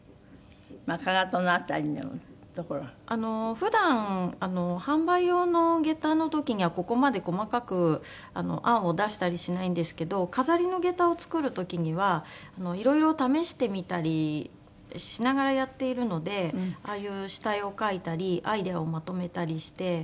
普段販売用の下駄の時にはここまで細かく案を出したりしないんですけど飾りの下駄を作る時にはいろいろ試してみたりしながらやっているのでああいう下絵を描いたりアイデアをまとめたりして。